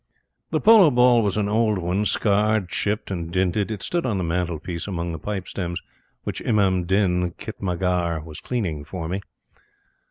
The polo ball was an old one, scarred, chipped, and dinted. It stood on the mantelpiece among the pipe stems which Imam Din, khitmatgar, was cleaning for me.